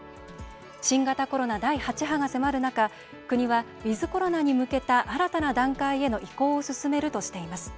新型コロナ第８波が迫る中国はウィズコロナに向けた新たな段階への移行を進めるとしています。